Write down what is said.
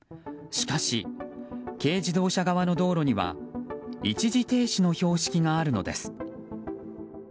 しかし軽自動車側の道路には一時停止の標識があるのです。